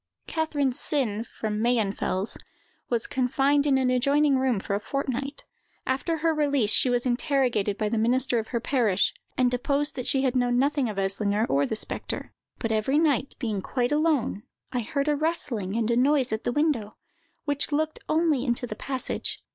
Catherine Sinn, from Mayenfels, was confined in an adjoining room for a fortnight. After her release, she was interrogated by the minister of her parish, and deposed that she had known nothing of Eslinger, or the spectre; "but every night, being quite alone, I heard a rustling and a noise at the window, which looked only into the passage.